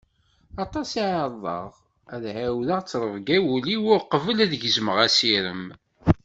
Aṭas i ɛerḍeɣ ad ɛiwdeɣ ttrebga i wul-iw uqbel ad gezmeɣ asirem.